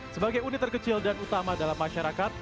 sebagai unit terkecil dan utama dalam masyarakat